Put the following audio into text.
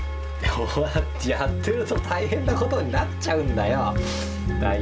そうやってやってると大変なことになっちゃうんだよ。